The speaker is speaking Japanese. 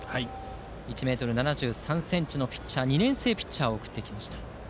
１ｍ７３ｃｍの２年生ピッチャーを送ってきました。